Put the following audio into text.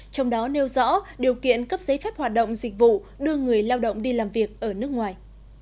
trong đó nêu rõ điều kiện cấp giấy phép hoạt động dịch vụ đưa người lao động đi làm việc ở nước ngoài